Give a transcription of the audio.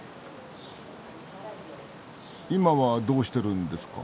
今はどうしてるんですか？